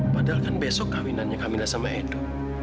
padahal kan besok kawinannya kawina sama edo